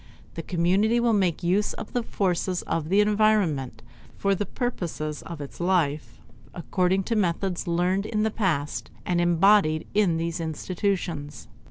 The community will make use of the forces of the environment for the purposes of its life according to methods learned in the past and embodied in these institutions.